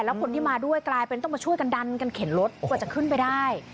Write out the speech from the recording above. แล้วคนที่มาด้วยกลายเป็นต้องมาช่วยกันดันกันเข็นรถกว่าจะขึ้นไปได้